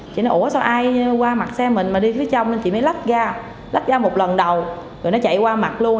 chị nói ủa sao ai qua mặt xe mình mà đi phía trong nên chị mới lắc ra lắc ra một lần đầu rồi nó chạy qua mặt luôn